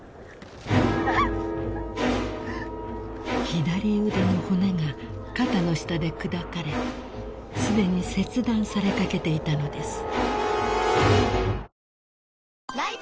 ［左腕の骨が肩の下で砕かれすでに切断されかけていたのです］